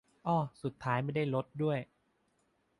อ้อสุดท้ายไม่ได้ลดด้วย